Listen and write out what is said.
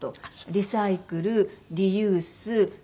リサイクルリユース寄付